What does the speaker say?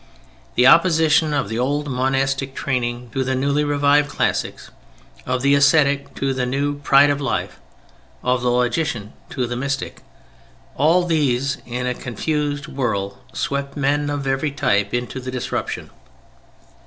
The opposition of the old monastic training to the newly revived classics, of the ascetic to the new pride of life, of the logician to the mystic, all these in a confused whirl swept men of every type into the disruption.